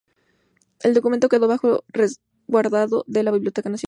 El documento quedó bajo resguardo de la Biblioteca Nacional.